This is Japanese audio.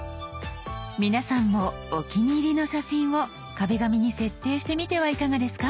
皆さんもお気に入りの写真を「壁紙」に設定してみてはいかがですか？